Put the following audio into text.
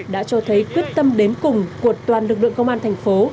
đã cho thấy quyết tâm đến cùng của toàn lực lượng công an thành phố